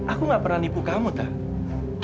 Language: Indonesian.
aku gak pernah nipu kamu tau